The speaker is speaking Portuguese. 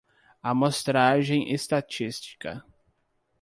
Amostragem estatística